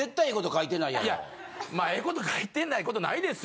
いやまあ良いこと書いてないことないですよ。